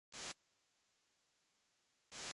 Kể lưu manh ăn xong bỏ chạy